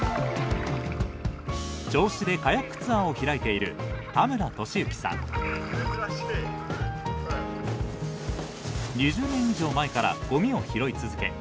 銚子でカヤックツアーを開いている２０年以上前からごみを拾い続け